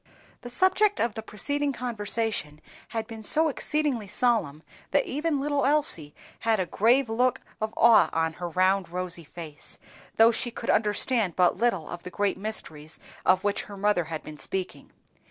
THE subject of the preceding conversation had been so exceedingly solemn that even little Elsie had a grave look of awe on her round rosy face, though she could understand but little of the great mysteries of which her mother had been speaking.